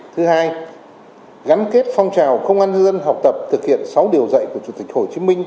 thứ hai gắn kết phong trào công an hơn học tập thực hiện sáu điều dạy của chủ tịch hồ chí minh